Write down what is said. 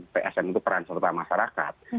psn itu peran selatan masyarakat